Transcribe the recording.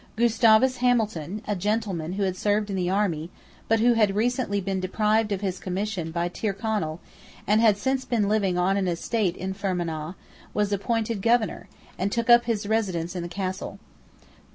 Gustavus Hamilton, a gentleman who had served in the army, but who had recently been deprived of his commission by Tyrconnel, and had since been living on an estate in Fermanagh, was appointed Governor, and took up his residence in the castle.